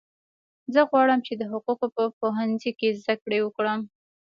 زه غواړم چې د حقوقو په پوهنځي کې زده کړه وکړم